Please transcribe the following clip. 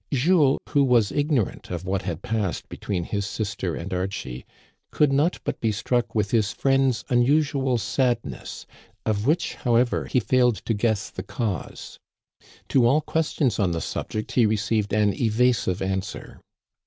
Jules, who was igno rant of what had passed between his sister and Archie, could not but be struck with his friend's unusual sad ness, of which, however, he failed to guess the cause. To all questions on the subject he received an evasive answer.